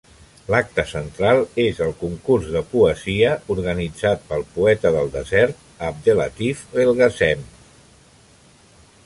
L'acte central és el concurs de poesia organitzat pel poeta del desert, Abdellatif Belgacem.